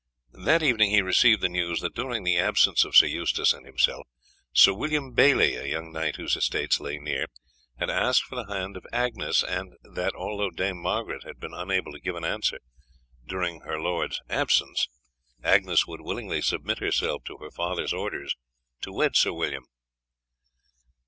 That evening he received the news that during the absence of Sir Eustace and himself Sir William Bailey, a young knight whose estates lay near, had asked for the hand of Agnes, and that, although Dame Margaret had been unable to give an answer during her lord's absence, Agnes would willingly submit herself to her father's orders to wed Sir William.